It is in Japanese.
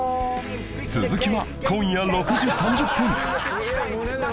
続きは今夜６時３０分